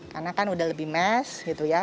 karena kan udah lebih mes gitu ya